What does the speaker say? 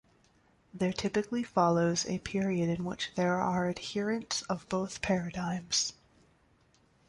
There typically follows a period in which there are adherents of both paradigms.